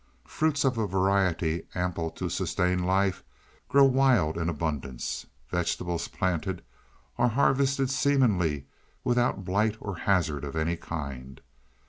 Fruits of a variety ample to sustain life, grow wild in abundance. Vegetables planted are harvested seemingly without blight or hazard of any kind.